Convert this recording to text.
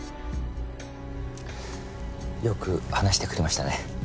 よく話してくれましたね。